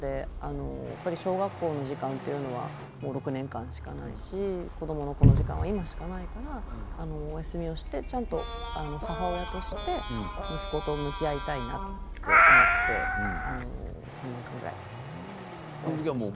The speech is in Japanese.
小学校の時間というのは６年間しかないし子どものこの時間は今しかないからお休みをしてちゃんと母親として息子と向き合いたいなって思って３年間ぐらいお休みして。